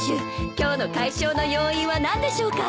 今日の快勝の要因は何でしょうか？